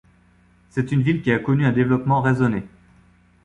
C'est une ville qui a connu un développement raisonné.